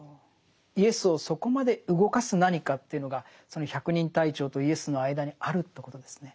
イエスをそこまで動かす何かっていうのがその百人隊長とイエスの間にあるということですね。